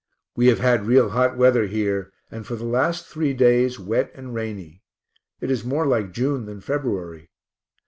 We have had real hot weather here, and for the last three days wet and rainy; it is more like June than February.